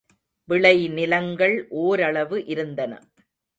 விளை நிலங்கள் ஓரளவு இருந்தன.